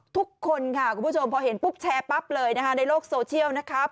ทุกคนค่ะคุณผู้ชมพอเห็นปุ๊บแชร์ปั๊บเลยนะคะในโลกโซเชียลนะครับ